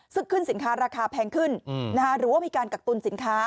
ซึ่งขึ้นสินค้าราคาแพงขึ้นหรือว่ามีการกักตุลสินค้า